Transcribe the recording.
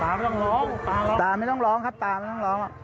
ต้องร้องตาร้องตาไม่ต้องร้องครับตาไม่ต้องร้องอ่ะ